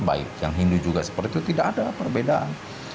baik yang hindu juga seperti itu tidak ada perbedaan